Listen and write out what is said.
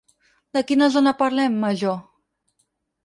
De quina zona parlem, Major?